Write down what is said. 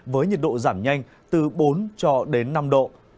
với nhiệt độ giảm nhanh từ bốn năm độ